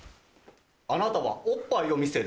あなたはおっぱいを見せる。